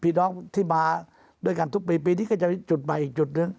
พี่น้องที่มาด้วยกันทุกปีปีนี้ก็จะมีจุดใหม่อีกจุดหนึ่ง